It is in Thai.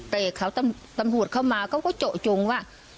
แต่ตำรวจเข้ามาเขาก็เจาะจงว่า